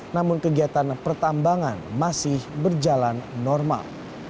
namun kegiatan pertambangan masih berjalan normal